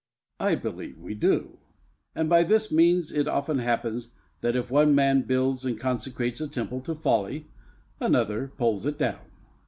Bayle. I believe we do; and by this means it often happens that if one man builds and consecrates a temple to folly, another pulls it down.